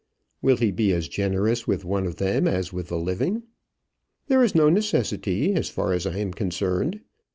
"Will he be as generous with one of them as with the living?" "There is no necessity, as far as I am concerned.